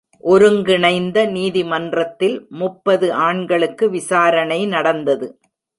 ஒருங்கிணைந்த நீதிமன்றத்தில் முப்பது ஆண்களுக்கு விசாரணை நடந்தது.